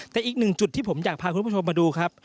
แต่อีกหนึ่งจุดที่ผมอยากพาคุณผู้ชมมาดูครับ